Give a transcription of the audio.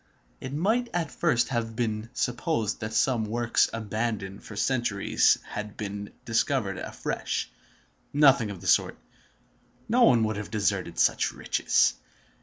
It might at first have been supposed that some works abandoned for centuries had been discovered afresh. Nothing of the sort. No one would have deserted such riches.